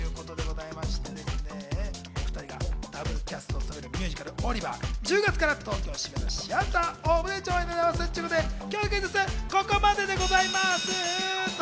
お２人がダブルキャストを務めるミュージカル『オリバー！』、１０月から東京・渋谷のシアターオーブで上演です。ということで今日のクイズッスはここまで。